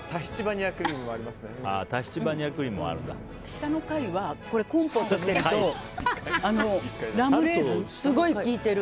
下の階はコンポートしていてラムレーズン、すごい効いてる。